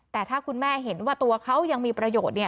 แต่ถ้าคุณแม่เห็นว่าตัวเขายังมีประโยชน์